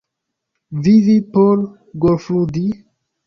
Vivi por golfludi?